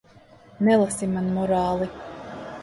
Nelasi man morāli.